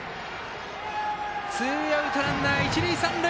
ツーアウト、ランナー、一塁三塁。